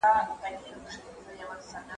زه به سبا د کتابتوننۍ سره خبري کوم؟!